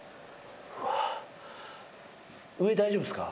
上大丈夫っすか？